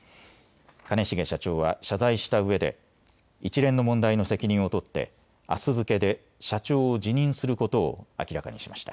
兼重社長は謝罪したうえで一連の問題の責任を取ってあす付けで社長を辞任することを明らかにしました。